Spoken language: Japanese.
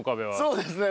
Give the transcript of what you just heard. そうですね。